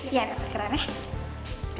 ya ada keren ya